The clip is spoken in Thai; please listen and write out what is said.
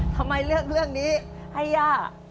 ทำไมเลือกเรื่องนี้ให้ย่า